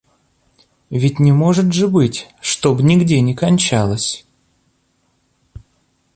Ведь не может же быть, чтоб нигде не кончалась!